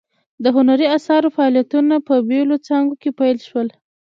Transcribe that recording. د هنري اثارو فعالیتونه په بیلو څانګو کې پیل شول.